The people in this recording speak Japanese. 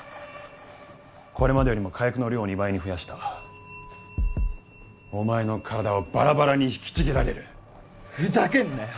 これまでよりも火薬の量を２倍に増やしたお前の体はバラバラに引きちぎられるふざけんなよ